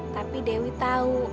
tapi dewi tahu